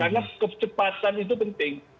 karena kecepatan itu penting